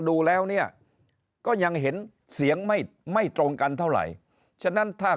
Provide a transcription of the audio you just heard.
ดูแล้วเนี่ยก็ยังเห็นเสียงไม่ตรงกันเท่าไหร่ฉะนั้นถ้า